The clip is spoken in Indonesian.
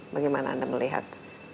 bagaimana anda melihat